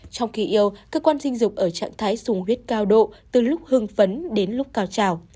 trong khi yêu cơ quan sinh dục ở trạng thái sùng huyết cao độ từ lúc hưng phấn đến lúc cao trào